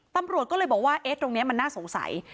ตำรวจก็เลยบอกว่าเอ๊ะตรงนี้มันน่าสงสัย